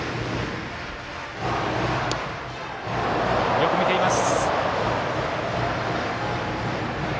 よく見ています。